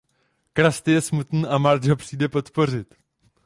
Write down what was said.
Krusty je smutný a Marge ho přijde podpořit.